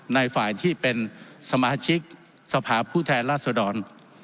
ในฝ่ายที่เป็นสมาชิกสภาพผู้แทนราษดร